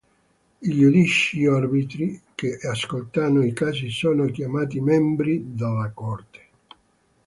I giudici o arbitri che ascoltano i casi sono chiamati membri della Corte.